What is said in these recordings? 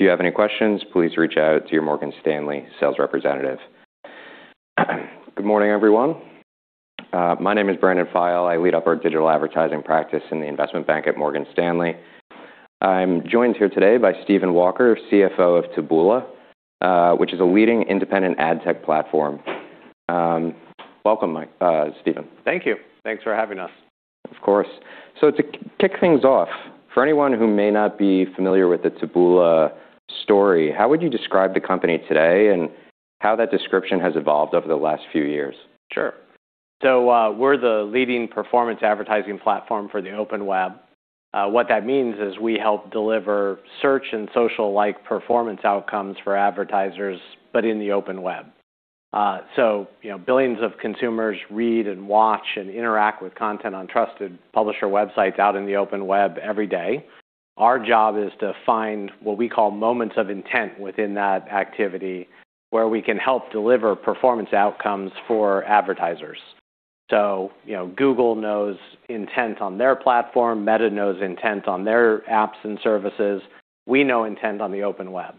If you have any questions, please reach out to your Morgan Stanley sales representative. Good morning, everyone. My name is Brian Pyle. I lead up our digital advertising practice in the investment bank at Morgan Stanley. I'm joined here today by Stephen Walker, CFO of Taboola, which is a leading independent ad tech platform. Welcome, Stephen. Thank you. Thanks for having us. Of course. To kick things off, for anyone who may not be familiar with the Taboola story, how would you describe the company today and how that description has evolved over the last few years? Sure. We're the leading performance advertising platform for the open web. What that means is we help deliver search and social-like performance outcomes for advertisers, but in the open web. You know, billions of consumers read and watch and interact with content on trusted publisher websites out in the open web every day. Our job is to find what we call moments of intent within that activity, where we can help deliver performance outcomes for advertisers. You know, Google knows intent on their platform, Meta knows intent on their apps and services. We know intent on the open web.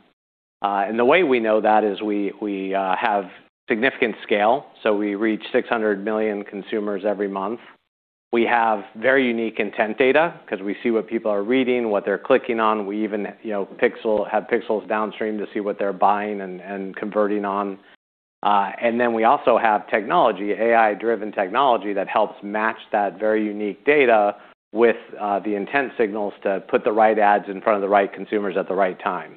The way we know that is we have significant scale, so we reach 600 million consumers every month. We have very unique intent data because we see what people are reading, what they're clicking on. We even, you know, pixel... have pixels downstream to see what they're buying and converting on. We also have technology, AI-driven technology, that helps match that very unique data with the intent signals to put the right ads in front of the right consumers at the right time.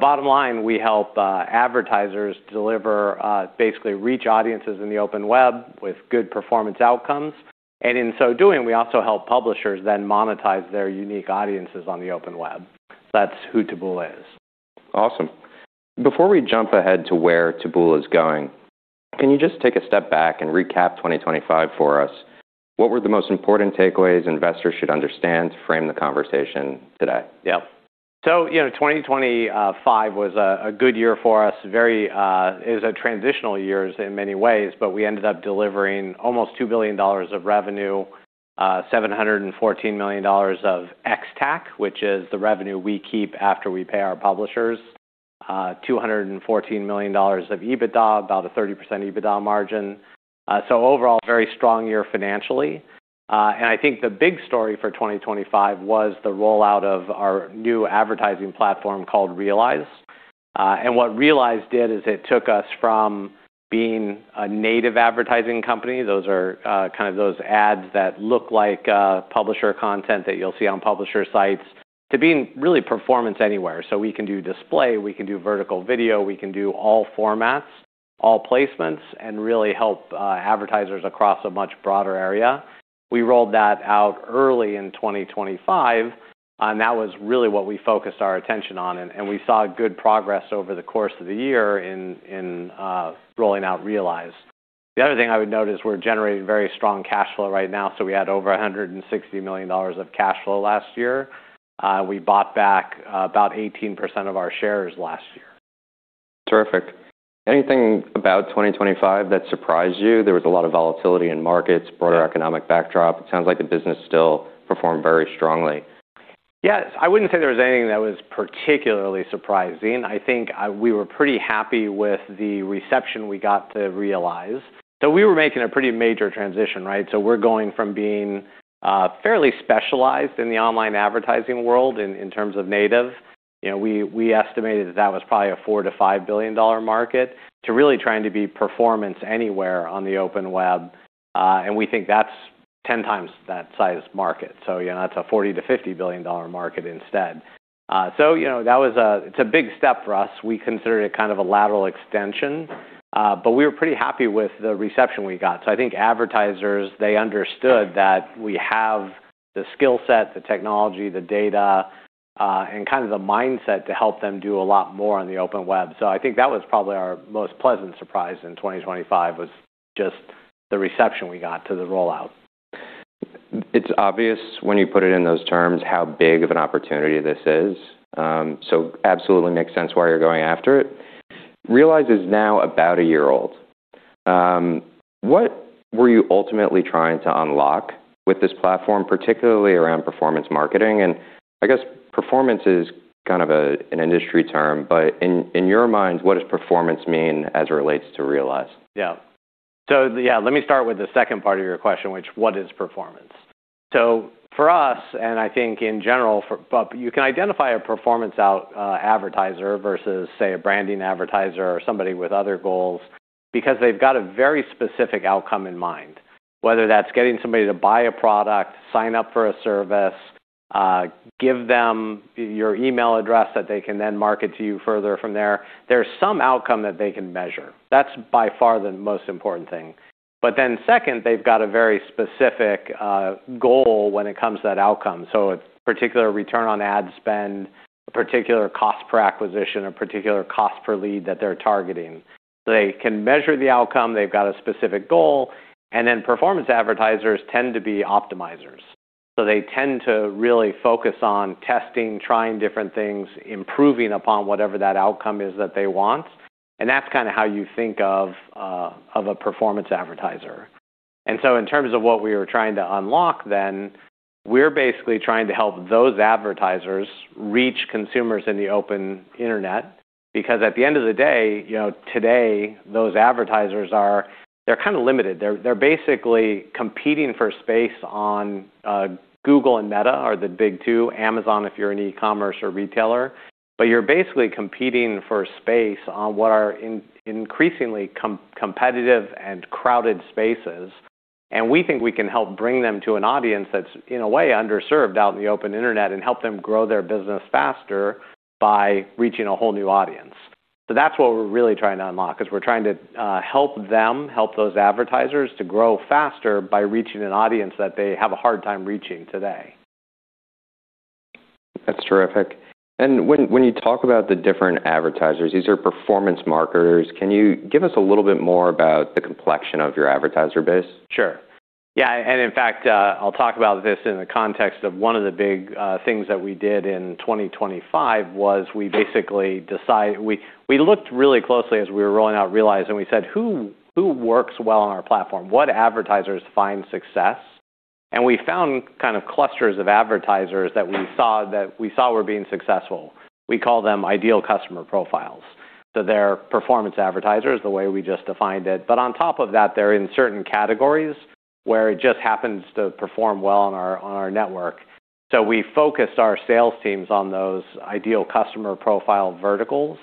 Bottom line, we help advertisers deliver basically reach audiences in the open web with good performance outcomes. In so doing, we also help publishers then monetize their unique audiences on the open web. That's who Taboola is. Awesome. Before we jump ahead to where Taboola is going, can you just take a step back and recap 2025 for us? What were the most important takeaways investors should understand to frame the conversation today? Yep. You know, 2025 was a good year for us. Very, it was a transitional year in many ways, but we ended up delivering almost $2 billion of revenue, $714 million of ex-TAC, which is the revenue we keep after we pay our publishers, $214 million of EBITDA, about a 30% EBITDA margin. Overall, very strong year financially. I think the big story for 2025 was the rollout of our new advertising platform called Realize. What Realize did is it took us from being a Native Advertising company, those are, kind of those ads that look like publisher content that you'll see on publisher sites, to being really performance anywhere. We can do display, we can do vertical video, we can do all formats, all placements, and really help advertisers across a much broader area. We rolled that out early in 2025, and that was really what we focused our attention on, and we saw good progress over the course of the year in rolling out Realize. The other thing I would note is we're generating very strong cash flow right now, we had over $160 million of cash flow last year. We bought back about 18% of our shares last year. Terrific. Anything about 2025 that surprised you? There was a lot of volatility in markets, broader economic backdrop. It sounds like the business still performed very strongly. Yes. I wouldn't say there was anything that was particularly surprising. I think, we were pretty happy with the reception we got to Realize. We were making a pretty major transition, right? We're going from being, fairly specialized in the online advertising world in terms of native, you know, we estimated that that was probably a $4 billion-$5 billion market, to really trying to be performance anywhere on the open web. We think that's 10 times that size market. You know, that's a $40 billion-$50 billion market instead. You know, it's a big step for us. We consider it kind of a lateral extension, but we were pretty happy with the reception we got. I think advertisers, they understood that we have the skill set, the technology, the data, and kind of the mindset to help them do a lot more on the open web. I think that was probably our most pleasant surprise in 2025, was just the reception we got to the rollout. It's obvious when you put it in those terms how big of an opportunity this is, absolutely makes sense why you're going after it. Realize is now about a year old. What were you ultimately trying to unlock with this platform, particularly around performance marketing? I guess performance is kind of a, an industry term, but in your mind, what does performance mean as it relates to Realize? Yeah. Yeah, let me start with the second part of your question, what is performance? For us, and I think in general you can identify a performance advertiser versus, say, a branding advertiser or somebody with other goals because they've got a very specific outcome in mind. Whether that's getting somebody to buy a product, sign up for a service, give them your email address that they can then market to you further from there's some outcome that they can measure. That's by far the most important thing. Second, they've got a very specific goal when it comes to that outcome. A particular Return on Ad Spend, a particular Cost Per Acquisition, a particular Cost Per Lead that they're targeting. They can measure the outcome, they've got a specific goal. Performance advertisers tend to be optimizers. They tend to really focus on testing, trying different things, improving upon whatever that outcome is that they want, and that's kind of how you think of a performance advertiser. In terms of what we were trying to unlock, we're basically trying to help those advertisers reach consumers in the open internet, because at the end of the day, you know, today, those advertisers, they're kind of limited. They're basically competing for space on Google and Meta are the big two, Amazon, if you're an e-commerce or retailer. You're basically competing for space on what are increasingly competitive and crowded spaces. We think we can help bring them to an audience that's, in a way, underserved out in the open internet and help them grow their business faster by reaching a whole new audience. That's what we're really trying to unlock, is we're trying to help those advertisers to grow faster by reaching an audience that they have a hard time reaching today. That's terrific. When you talk about the different advertisers, these are performance marketers. Can you give us a little bit more about the complexion of your advertiser base? Sure. Yeah. In fact, I'll talk about this in the context of one of the big things that we did in 2025 was we basically We looked really closely as we were rolling out Realize, and we said, "Who works well on our platform? What advertisers find success?" We found kind of clusters of advertisers that we saw were being successful. We call them Ideal Customer Profiles. They're performance advertisers, the way we just defined it. On top of that, they're in certain categories where it just happens to perform well on our, on our network. We focused our sales teams on those Ideal Customer Profile verticals.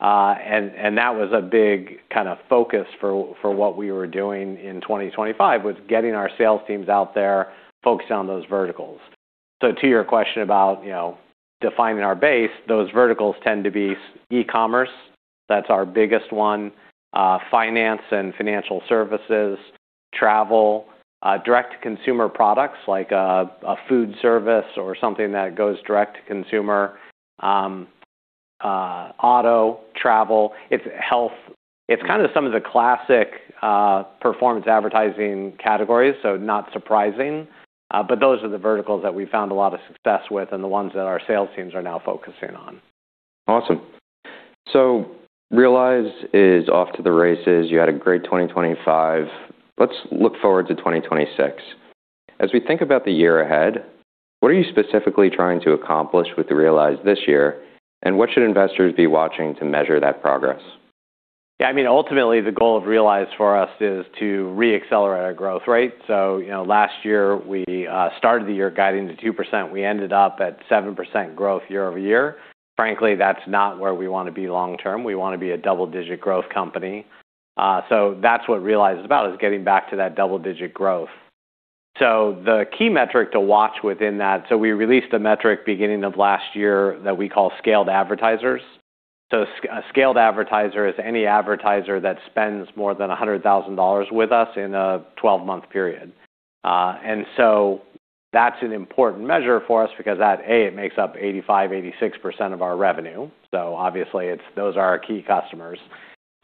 That was a big kind of focus for what we were doing in 2025, was getting our sales teams out there focused on those verticals. To your question about, you know, defining our base, those verticals tend to be e-commerce. That's our biggest one. Finance and financial services, travel, direct-to-consumer products, like a food service or something that goes direct to consumer, auto, travel. It's health. It's kind of some of the classic performance advertising categories, so not surprising. Those are the verticals that we found a lot of success with and the ones that our sales teams are now focusing on. Awesome. Realize is off to the races. You had a great 2025. Let's look forward to 2026. As we think about the year ahead, what are you specifically trying to accomplish with the Realize this year, and what should investors be watching to measure that progress? Yeah, I mean, ultimately, the goal of Realize for us is to re-accelerate our growth rate. You know, last year, we started the year guiding to 2%. We ended up at 7% growth year-over-year. Frankly, that's not where we wanna be long term. We wanna be a double-digit growth company. That's what Realize is about, is getting back to that double-digit growth. The key metric to watch within that, we released a metric beginning of last year that we call scaled advertisers. A scaled advertiser is any advertiser that spends more than $100,000 with us in a 12-month period. That's an important measure for us because that, A, it makes up 85%-86% of our revenue. Obviously, those are our key customers.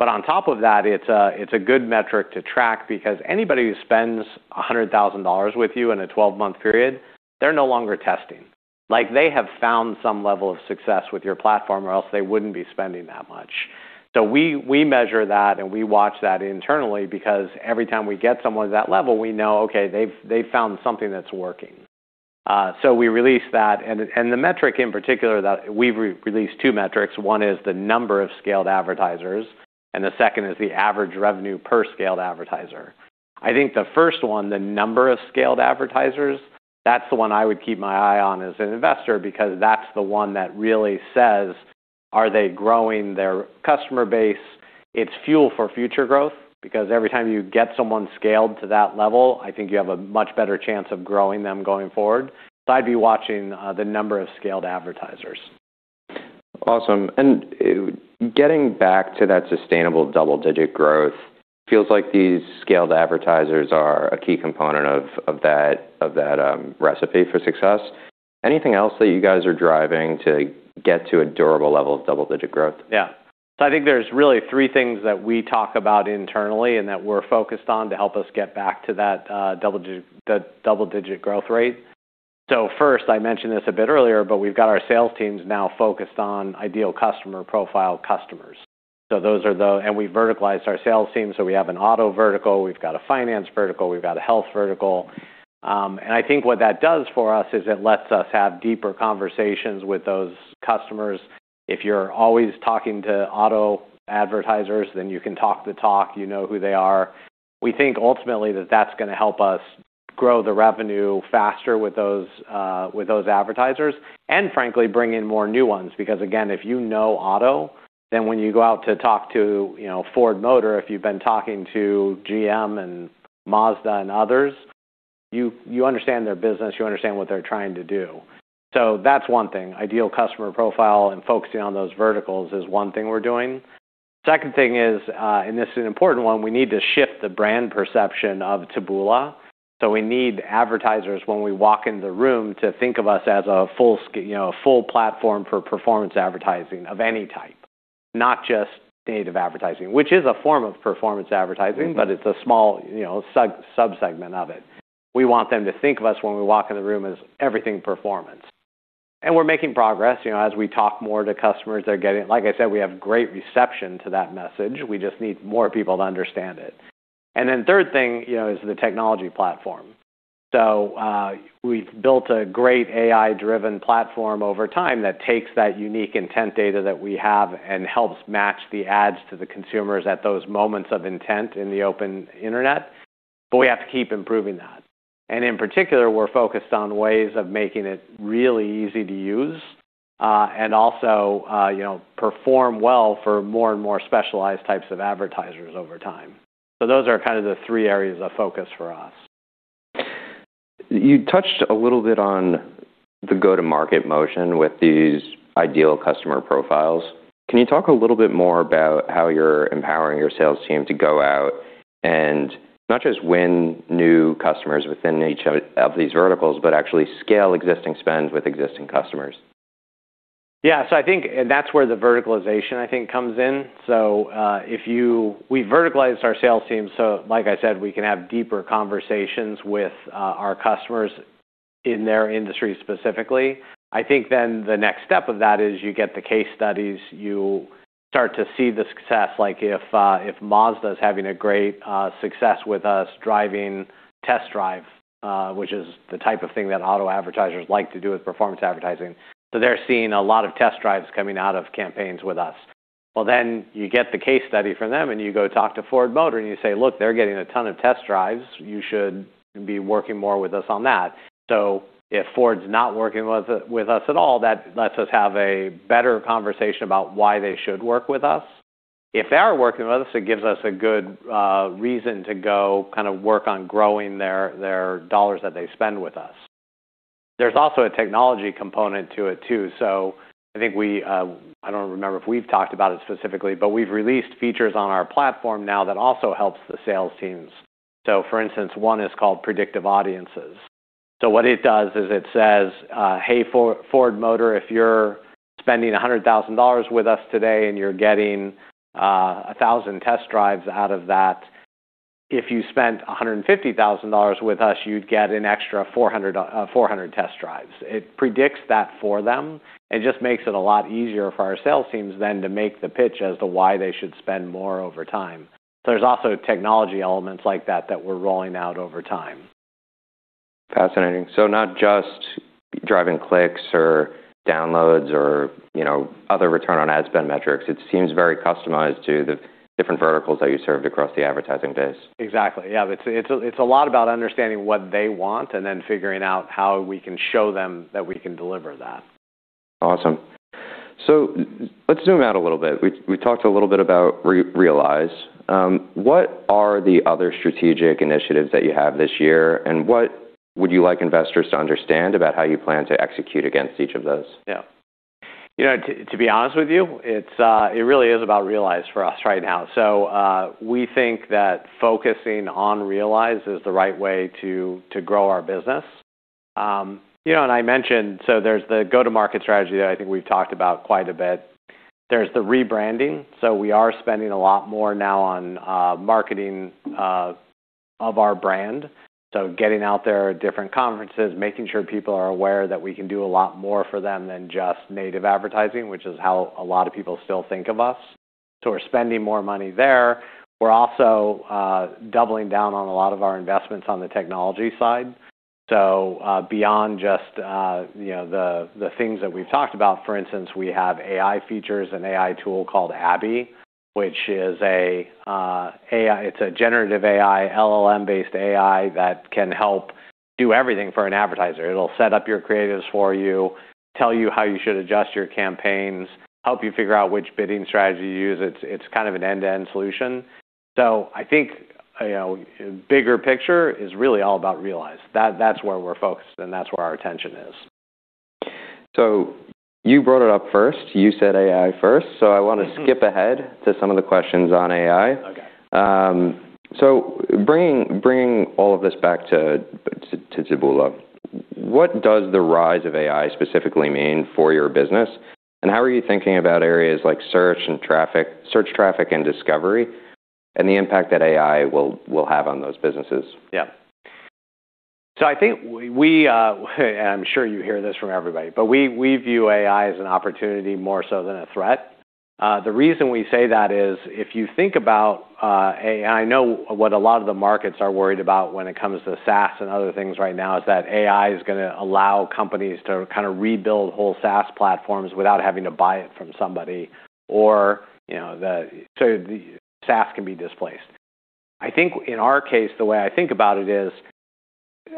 On top of that, it's a good metric to track because anybody who spends $100,000 with you in a 12-month period, they're no longer testing. Like, they have found some level of success with your platform or else they wouldn't be spending that much. We measure that, and we watch that internally because every time we get someone to that level, we know, okay, they've found something that's working. We release that. The metric in particular that we re-release 2 metrics. One is the number of Scaled Advertisers, and the second is the average revenue per Scaled Advertiser. I think the first one, the number of Scaled Advertisers, that's the one I would keep my eye on as an investor because that's the one that really says, are they growing their customer base? It's fuel for future growth because every time you get someone scaled to that level, I think you have a much better chance of growing them going forward. I'd be watching the number of scaled advertisers. Awesome. Getting back to that sustainable double-digit growth, feels like these scaled advertisers are a key component of that recipe for success. Anything else that you guys are driving to get to a durable level of double-digit growth? I think there's really three things that we talk about internally and that we're focused on to help us get back to that double-digit growth rate. First, I mentioned this a bit earlier, but we've got our sales teams now focused on Ideal Customer Profile customers. We verticalized our sales team. We have an auto vertical, we've got a finance vertical, we've got a health vertical. I think what that does for us is it lets us have deeper conversations with those customers. If you're always talking to auto advertisers, you can talk the talk. You know who they are. We think ultimately that that's gonna help us grow the revenue faster with those advertisers, frankly, bring in more new ones. Again, if you know auto, then when you go out to talk to, you know, Ford Motor, if you've been talking to GM and Mazda and others, you understand their business, you understand what they're trying to do. That's one thing. Ideal Customer Profile and focusing on those verticals is one thing we're doing. Second thing is, and this is an important one, we need to shift the brand perception of Taboola. We need advertisers when we walk in the room to think of us as a full you know, a full platform for performance advertising of any type, not just Native Advertising, which is a form of performance advertising. Mm-hmm... but it's a small, you know, sub-subsegment of it. We want them to think of us when we walk in the room as everything performance. And we're making progress, you know, as we talk more to customers, they're getting. Like I said, we have great reception to that message. We just need more people to understand it. Third thing, you know, is the technology platform. We've built a great AI-driven platform over time that takes that unique intent data that we have and helps match the ads to the consumers at those moments of intent in the open internet. We have to keep improving that. In particular, we're focused on ways of making it really easy to use and also, you know, perform well for more and more specialized types of advertisers over time. Those are kind of the three areas of focus for us. You touched a little bit on the go-to-market motion with these Ideal Customer Profiles. Can you talk a little bit more about how you're empowering your sales team to go out and not just win new customers within each of these verticals, but actually scale existing spends with existing customers? Yeah. I think that's where the verticalization, I think, comes in. We verticalized our sales team, so like I said, we can have deeper conversations with our customers in their industry specifically. I think the next step of that is you get the case studies, you start to see the success. Like if Mazda is having a great success with us driving test drive, which is the type of thing that auto advertisers like to do with performance advertising. They're seeing a lot of test drives coming out of campaigns with us. Well, you get the case study from them, and you go talk to Ford Motor, and you say, "Look, they're getting a ton of test drives. You should be working more with us on that." If Ford's not working with us at all, that lets us have a better conversation about why they should work with us. If they are working with us, it gives us a good reason to go kind of work on growing their dollars that they spend with us. There's also a technology component to it, too. I don't remember if we've talked about it specifically, but we've released features on our platform now that also helps the sales teams. For instance, one is called Predictive Audiences. What it does is it says, "Hey, Ford Motor, if you're spending $100,000 with us today and you're getting 1,000 test drives out of that, if you spent $150,000 with us, you'd get an extra 400 test drives." It predicts that for them. It just makes it a lot easier for our sales teams then to make the pitch as to why they should spend more over time. There's also technology elements like that that we're rolling out over time. Fascinating. Not just driving clicks or downloads or, you know, other Return on Ad Spend metrics. It seems very customized to the different verticals that you served across the advertising base. Exactly. Yeah. It's a lot about understanding what they want and then figuring out how we can show them that we can deliver that. Awesome. Let's zoom out a little bit. We talked a little bit about Realize. What are the other strategic initiatives that you have this year? What would you like investors to understand about how you plan to execute against each of those? Yeah. You know, to be honest with you, it really is about Realize for us right now. We think that focusing on Realize is the right way to grow our business. You know, I mentioned, there's the go-to-market strategy that I think we've talked about quite a bit. There's the rebranding, we are spending a lot more now on marketing of our brand. Getting out there at different conferences, making sure people are aware that we can do a lot more for them than just native advertising, which is how a lot of people still think of us. We're spending more money there. We're also doubling down on a lot of our investments on the technology side. Beyond just, you know, the things that we've talked about, for instance, we have AI features and AI tool called Abby, which is a AI. It's a generative AI, LLM-based AI that can help do everything for an advertiser. It'll set up your creatives for you, tell you how you should adjust your campaigns, help you figure out which bidding strategy to use. It's kind of an end-to-end solution. I think, you know, bigger picture is really all about Realize. That's where we're focused, and that's where our attention is. You brought it up first. You said AI first. I want to skip ahead to some of the questions on AI. Okay. Bringing all of this back to Taboola, what does the rise of AI specifically mean for your business? How are you thinking about areas like search and traffic, search traffic and discovery, and the impact that AI will have on those businesses? I think we, and I'm sure you hear this from everybody, but we view AI as an opportunity more so than a threat. The reason we say that is if you think about AI, I know what a lot of the markets are worried about when it comes to SaaS and other things right now, is that AI is gonna allow companies to kind of rebuild whole SaaS platforms without having to buy it from somebody or, you know, the SaaS can be displaced. I think in our case, the way I think about it is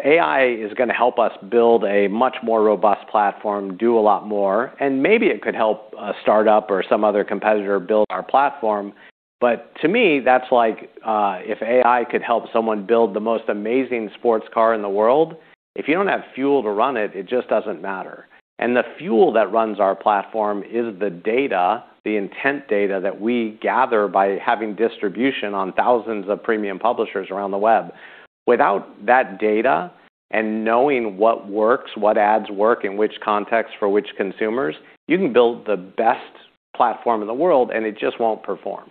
AI is gonna help us build a much more robust platform, do a lot more, and maybe it could help a startup or some other competitor build our platform. To me, that's like, if AI could help someone build the most amazing sports car in the world, if you don't have fuel to run it just doesn't matter. The fuel that runs our platform is the data, the intent data that we gather by having distribution on thousands of premium publishers around the web. Without that data and knowing what works, what ads work in which context for which consumers, you can build the best-platform in the world, and it just won't perform.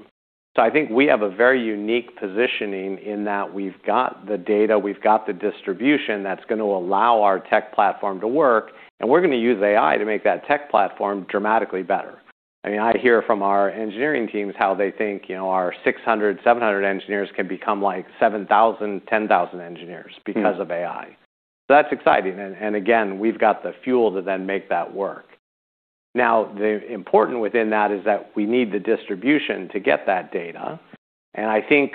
I think we have a very unique positioning in that we've got the data, we've got the distribution that's going to allow our tech platform to work, and we're going to use AI to make that tech platform dramatically better. I mean, I hear from our engineering teams how they think, you know, our 600, 700 engineers can become like 7,000, 10,000 engineers because of AI. That's exciting. Again, we've got the fuel to then make that work. The important within that is that we need the distribution to get that data. I think,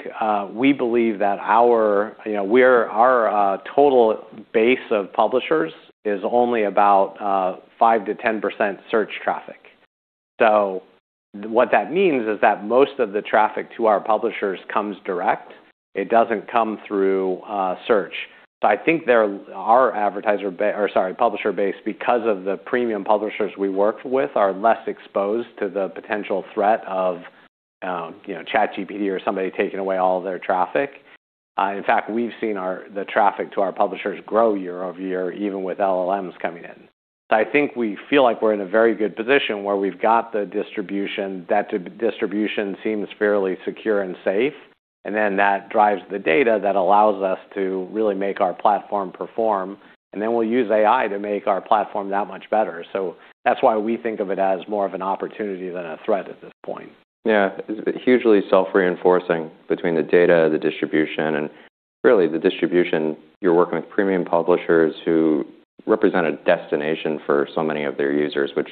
we believe that our, you know, total base of publishers is only about 5%-10% search traffic. What that means is that most of the traffic to our publishers comes direct. It doesn't come through search. I think their, our publisher base, because of the premium publishers we work with, are less exposed to the potential threat of, you know, ChatGPT or somebody taking away all of their traffic. In fact, we've seen our, the traffic to our publishers grow year-over-year, even with LLMs coming in. I think we feel like we're in a very good position where we've got the distribution. That distribution seems fairly secure and safe, and then that drives the data that allows us to really make our platform perform, and then we'll use AI to make our platform that much better. That's why we think of it as more of an opportunity than a threat at this point. It's hugely self-reinforcing between the data, the distribution, and really the distribution. You're working with premium publishers who represent a destination for so many of their users, which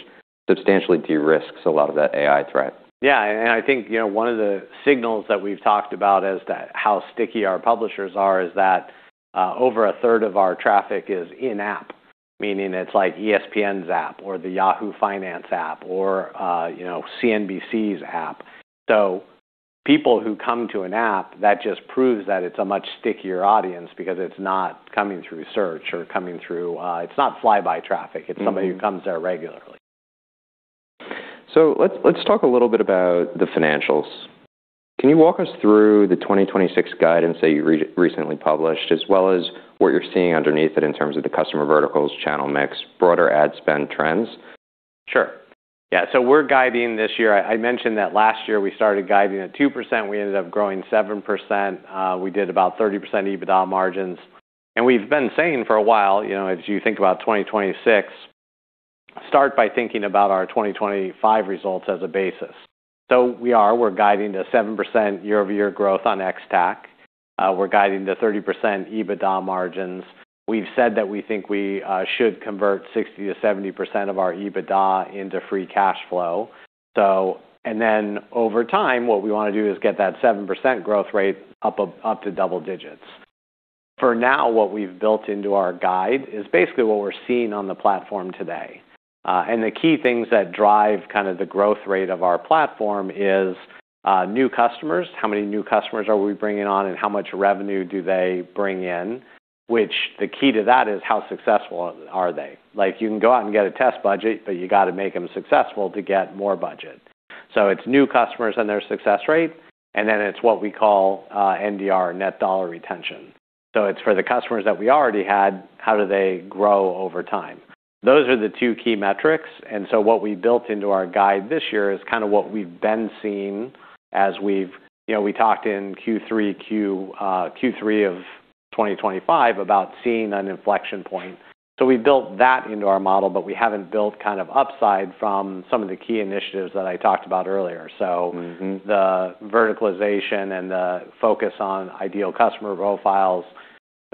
substantially de-risks a lot of that AI threat. Yeah. I think, you know, one of the signals that we've talked about as to how sticky our publishers are is that, over a third of our traffic is in-app, meaning it's like ESPN's app or the Yahoo Finance app or, you know, CNBC's app. People who come to an app, that just proves that it's a much stickier audience because it's not coming through search or coming through. It's not flyby traffic. Mm-hmm. It's somebody who comes there regularly. Let's talk a little bit about the financials. Can you walk us through the 2026 guidance that you recently published, as well as what you're seeing underneath it in terms of the customer verticals, channel mix, broader ad spend trends? Sure. Yeah. We're guiding this year. I mentioned that last year we started guiding at 2%. We ended up growing 7%. We did about 30% EBITDA margins. We've been saying for a while, you know, as you think about 2026, start by thinking about our 2025 results as a basis. We are. We're guiding to 7% year-over-year growth on ex-TAC. We're guiding to 30% EBITDA margins. We've said that we think we should convert 60%-70% of our EBITDA into Free Cash Flow. Then over time, what we wanna do is get that 7% growth rate up to double digits. For now, what we've built into our guide is basically what we're seeing on the platform today. The key things that drive kind of the growth rate of our platform is new customers. How many new customers are we bringing on, and how much revenue do they bring in? Which the key to that is how successful are they? Like, you can go out and get a test budget, but you gotta make them successful to get more budget. It's new customers and their success rate, and then it's what we call NDR, Net Dollar Retention. It's for the customers that we already had, how do they grow over time? Those are the two key metrics. What we built into our guide this year is kinda what we've been seeing. You know, we talked in Q3 2025 about seeing an inflection point. We built that into our model, but we haven't built kind of upside from some of the key initiatives that I talked about earlier. Mm-hmm. The verticalization and the focus on Ideal Customer Profiles.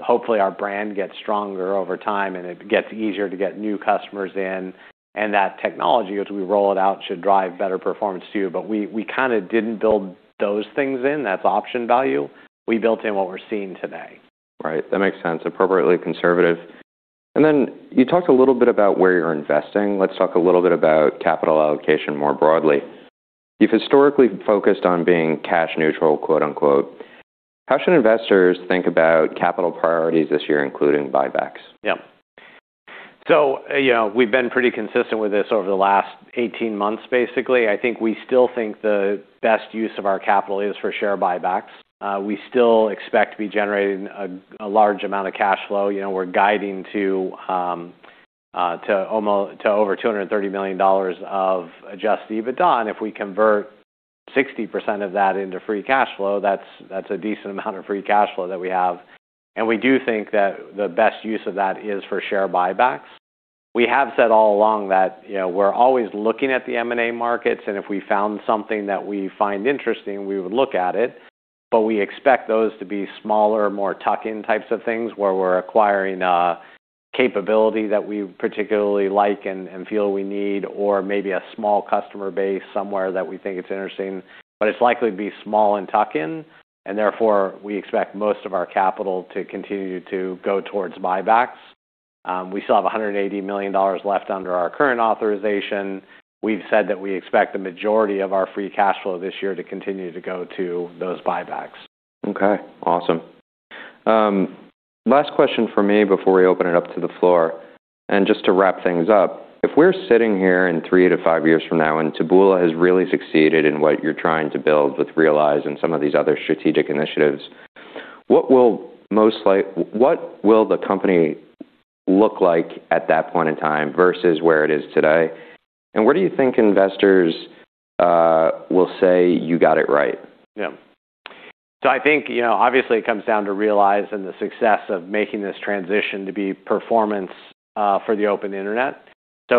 Hopefully, our brand gets stronger over time, and it gets easier to get new customers in, and that technology, as we roll it out, should drive better performance too. We kinda didn't build those things in. That's option value. We built in what we're seeing today. Right. That makes sense. Appropriately conservative. Then you talked a little bit about where you're investing. Let's talk a little bit about capital allocation more broadly. You've historically focused on being cash neutral, quote-unquote. How should investors think about capital priorities this year, including buybacks? Yeah. You know, we've been pretty consistent with this over the last 18 months, basically. I think we still think the best use of our capital is for share buybacks. We still expect to be generating a large amount of cash flow. You know, we're guiding to over $230 million of Adjusted EBITDA. If we convert 60% of that into Free Cash Flow, that's a decent amount of Free Cash Flow that we have. We do think that the best use of that is for share buybacks. We have said all along that, you know, we're always looking at the M&A markets, and if we found something that we find interesting, we would look at it. We expect those to be smaller, more tuck-in types of things, where we're acquiring a capability that we particularly like and feel we need or maybe a small customer base somewhere that we think it's interesting. It's likely to be small and tuck-in, and therefore, we expect most of our capital to continue to go towards buybacks. We still have $180 million left under our current authorization. We've said that we expect the majority of our Free Cash Flow this year to continue to go to those buybacks. Okay. Awesome. last question from me before we open it up to the floor, and just to wrap things up. If we're sitting here in 3-5 years from now, and Taboola has really succeeded in what you're trying to build with Realize and some of these other strategic initiatives. What will the company look like at that point in time versus where it is today? Where do you think investors will say you got it right? I think, you know, obviously it comes down to Realize and the success of making this transition to be performance for the open internet.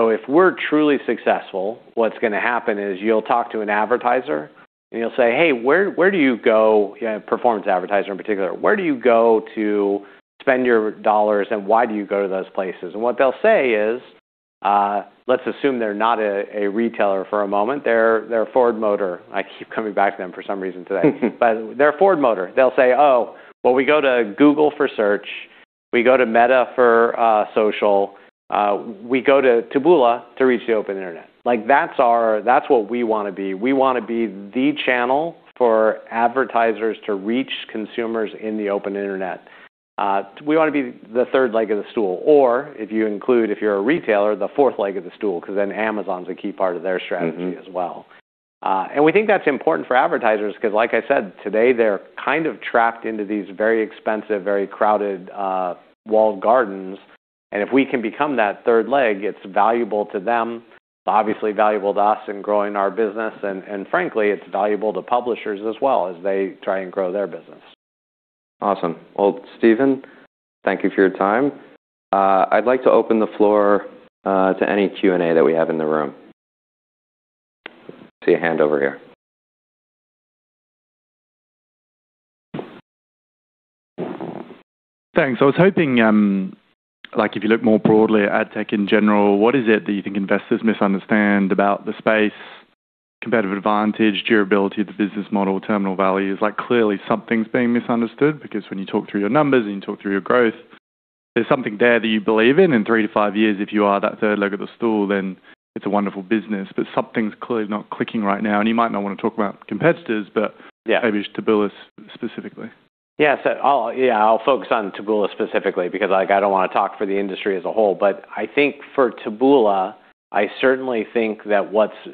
If we're truly successful, what's gonna happen is you'll talk to an advertiser, and you'll say, "Hey, where do you go," you know, performance advertiser in particular. "Where do you go to spend your dollars, and why do you go to those places?" What they'll say is, let's assume they're not a retailer for a moment. They're Ford Motor. I keep coming back to them for some reason today. They're Ford Motor. They'll say, "Oh, well, we go to Google for search. We go to Meta for social. We go to Taboola to reach the open internet." Like, that's what we wanna be. We wanna be the channel for advertisers to reach consumers in the open internet. We wanna be the third leg of the stool. If you include, if you're a retailer, the fourth leg of the stool, 'cause then Amazon's a key part of their strategy- Mm-hmm... as well. We think that's important for advertisers 'cause like I said, today they're kind of trapped into these very expensive, very crowded, walled gardens. If we can become that third leg, it's valuable to them, obviously valuable to us in growing our business, and, frankly, it's valuable to publishers as well as they try and grow their business. Awesome. Well, Stephen, thank you for your time. I'd like to open the floor to any Q&A that we have in the room. I see a hand over here. Thanks. I was hoping, like, if you look more broadly at ad tech in general, what is it that you think investors misunderstand about the space, competitive advantage, durability of the business model, terminal value? It's like clearly something's being misunderstood because when you talk through your numbers and you talk through your growth, there's something there that you believe in. In 3-5 years, if you are that third leg of the stool, then it's a wonderful business. Something's clearly not clicking right now. You might not wanna talk about competitors. Yeah. Maybe just Taboola specifically. Yeah, I'll focus on Taboola specifically because, like, I don't wanna talk for the industry as a whole. I think for Taboola, I certainly think that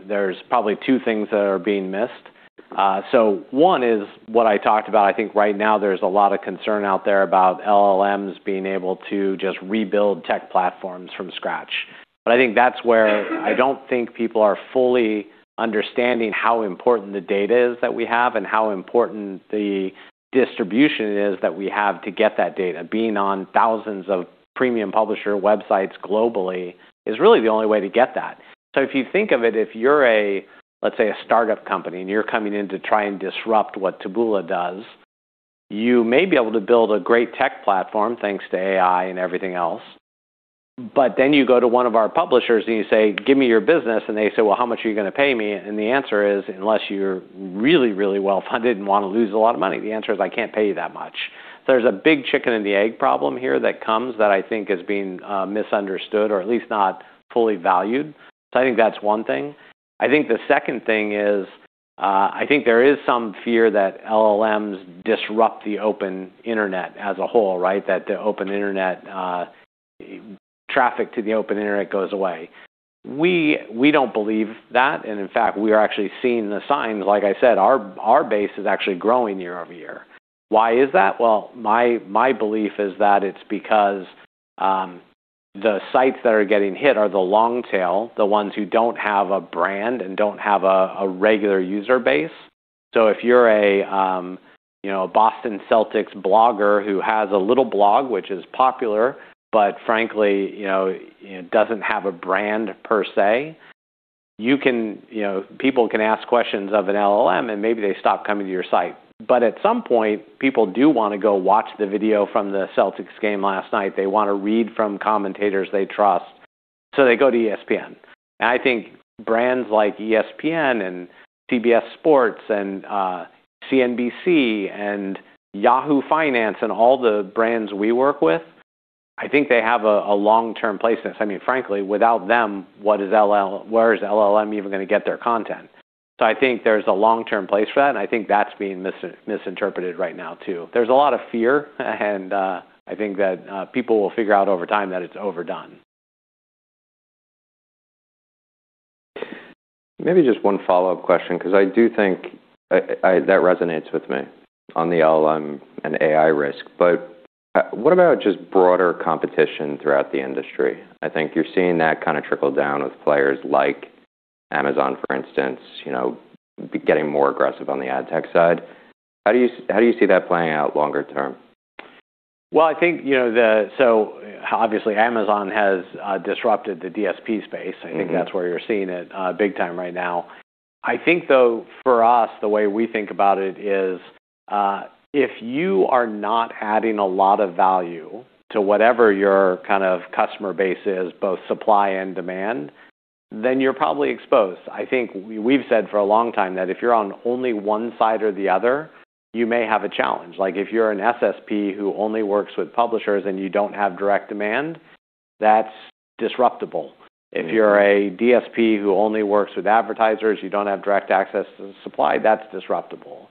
there's probably two things that are being missed. One is what I talked about. I think right now there's a lot of concern out there about LLMs being able to just rebuild tech platforms from scratch. I think that's where I don't think people are fully understanding how important the data is that we have and how important the distribution is that we have to get that data. Being on thousands of premium publisher websites globally is really the only way to get that. If you think of it, if you're a, let's say, a startup company and you're coming in to try and disrupt what Taboola does, you may be able to build a great tech platform, thanks to AI and everything else. You go to one of our publishers and you say, "Give me your business," and they say, "Well, how much are you gonna pay me?" The answer is, unless you're really, really well funded and wanna lose a lot of money, the answer is, "I can't pay you that much." There's a big chicken and the egg problem here that comes that I think is being misunderstood or at least not fully valued. I think that's one thing. I think the second thing is, I think there is some fear that LLMs disrupt the open internet as a whole, right? That the open internet, traffic to the open internet goes away. We don't believe that. In fact, we are actually seeing the signs. Like I said, our base is actually growing year-over-year. Why is that? Well, my belief is that it's because the sites that are getting hit are the long tail, the ones who don't have a brand and don't have a regular user base. If you're a, you know, a Boston Celtics blogger who has a little blog which is popular, but frankly, you know, doesn't have a brand per se. You know, people can ask questions of an LLM, maybe they stop coming to your site. At some point, people do wanna go watch the video from the Celtics game last night. They wanna read from commentators they trust. They go to ESPN. I think brands like ESPN and CBS Sports and CNBC and Yahoo Finance and all the brands we work with, I think they have a long-term place in this. I mean, frankly, without them, what is LLM even gonna get their content? I think there's a long-term place for that, and I think that's being misinterpreted right now too. There's a lot of fear, and I think that people will figure out over time that it's overdone. Maybe just one follow-up question because I do think that resonates with me on the LLM and AI risk. What about just broader competition throughout the industry? I think you're seeing that kind of trickle down with players like Amazon, for instance, you know, getting more aggressive on the ad tech side. How do you see that playing out longer term? Well, I think, you know, obviously, Amazon has disrupted the DSP space. Mm-hmm. I think that's where you're seeing it big time right now. I think, though, for us, the way we think about it is, if you are not adding a lot of value to whatever your kind of customer base is, both supply and demand, then you're probably exposed. I think we've said for a long time that if you're on only one side or the other, you may have a challenge. Like, if you're an SSP who only works with publishers and you don't have direct demand, that's disruptable. Mm-hmm. If you're a DSP who only works with advertisers, you don't have direct access to the supply, that's disruptable.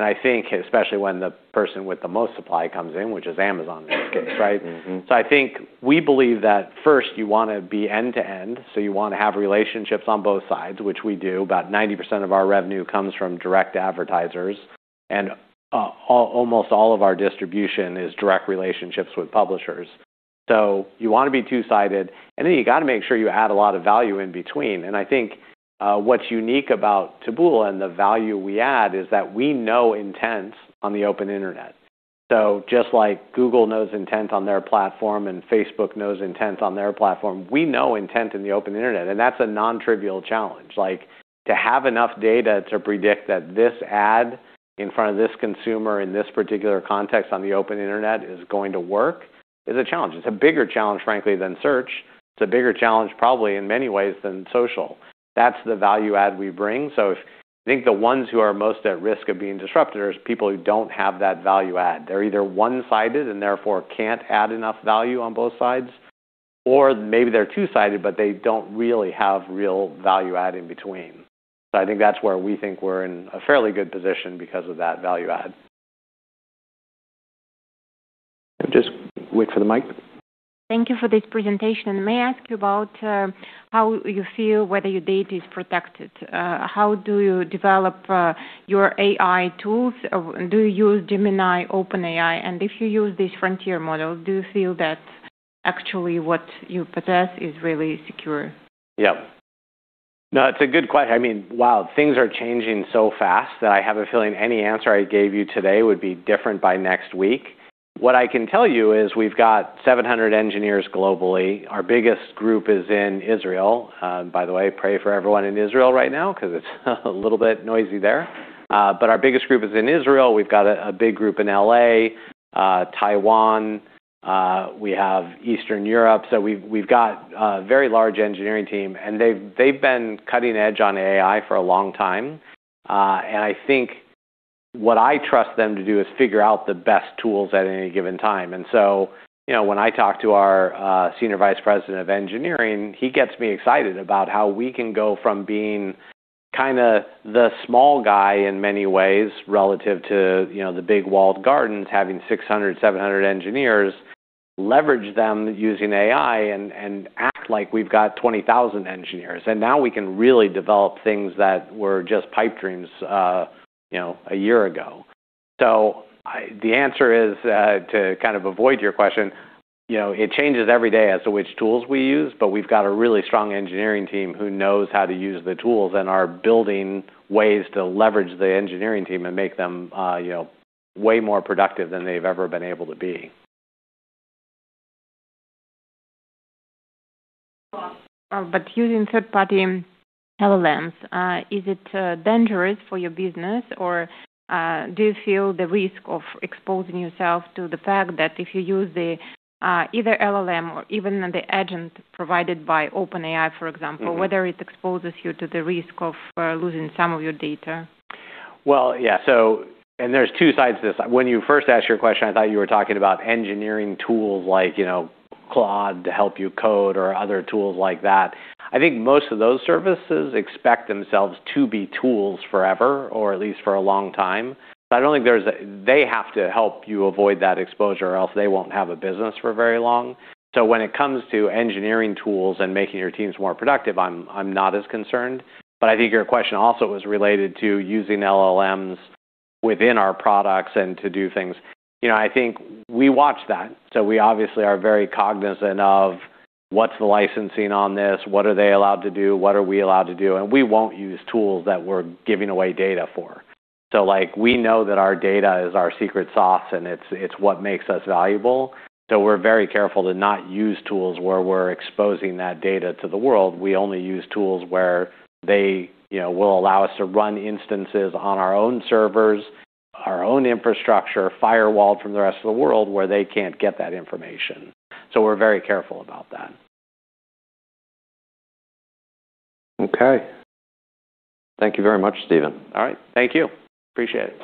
I think especially when the person with the most supply comes in, which is Amazon in this case, right? Mm-hmm. I think we believe that first you wanna be end to end, so you wanna have relationships on both sides, which we do. About 90% of our revenue comes from direct advertisers, and almost all of our distribution is direct relationships with publishers. You wanna be two-sided, and then you gotta make sure you add a lot of value in between. I think what's unique about Taboola and the value we add is that we know intent on the open internet. Just like Google knows intent on their platform and Facebook knows intent on their platform, we know intent in the open internet, and that's a non-trivial challenge. Like, to have enough data to predict that this ad in front of this consumer in this particular context on the open internet is going to work is a challenge. It's a bigger challenge, frankly, than search. It's a bigger challenge probably in many ways than social. That's the value add we bring. I think the ones who are most at risk of being disruptors, people who don't have that value add. They're either one-sided and therefore can't add enough value on both sides, or maybe they're two-sided, but they don't really have real value add in between. I think that's where we think we're in a fairly good position because of that value add. Just wait for the mic. Thank you for this presentation. May I ask you about how you feel whether your data is protected? How do you develop your AI tools? Do you use Gemini, OpenAI? If you use this frontier model, do you feel that actually what you possess is really secure? Yeah. No, it's a good question. I mean, wow, things are changing so fast that I have a feeling any answer I gave you today would be different by next week. What I can tell you is we've got 700 engineers globally. Our biggest group is in Israel. By the way, pray for everyone in Israel right now 'cause it's a little bit noisy there. But our biggest group is in Israel. We've got a big group in L.A., Taiwan, we have Eastern Europe. We've got a very large engineering team, they've been cutting edge on AI for a long time. I think what I trust them to do is figure out the best tools at any given time. you know, when I talk to our senior vice president of engineering, he gets me excited about how we can go from being kind of the small guy in many ways relative to, you know, the big walled gardens, having 600, 700 engineers, leverage them using AI and act like we've got 20,000 engineers. Now we can really develop things that were just pipe dreams, you know, a year ago. The answer is to kind of avoid your question, you know, it changes every day as to which tools we use, but we've got a really strong engineering team who knows how to use the tools and are building ways to leverage the engineering team and make them, you know, way more productive than they've ever been able to be. Using third-party LLMs, is it dangerous for your business? Or, do you feel the risk of exposing yourself to the fact that if you use the either LLM or even the agent provided by OpenAI, for example. Mm-hmm. -whether it exposes you to the risk of, losing some of your data? Well, yeah. There's two sides to this. When you first asked your question, I thought you were talking about engineering tools like, you know, Claude to help you code or other tools like that. I think most of those services expect themselves to be tools forever, or at least for a long time. I don't think they have to help you avoid that exposure, or else they won't have a business for very long. When it comes to engineering tools and making your teams more productive, I'm not as concerned. I think your question also was related to using LLMs within our products and to do things. You know, I think we watch that. We obviously are very cognizant of what's the licensing on this? What are they allowed to do? What are we allowed to do? We won't use tools that we're giving away data for. Like, we know that our data is our secret sauce, and it's what makes us valuable. We're very careful to not use tools where we're exposing that data to the world. We only use tools where they, you know, will allow us to run instances on our own servers, our own infrastructure, firewalled from the rest of the world where they can't get that information. We're very careful about that. Okay. Thank you very much, Stephen. All right. Thank you. Appreciate it.